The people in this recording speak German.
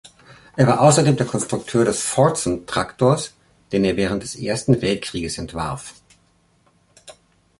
Er war außerdem der Konstrukteur des „Fordson-Traktors“, den er während des Ersten Weltkrieges entwarf.